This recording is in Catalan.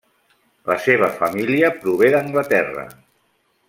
La seva família prové d'Anglaterra.